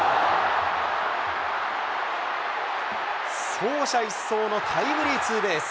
走者一掃のタイムリーツーベース。